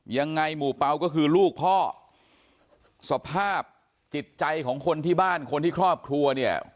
ยังไงหมู่เปล่าก็คือลูกพ่อสภาพจิตใจของคนที่บ้านคนที่ครอบครัวเนี่ย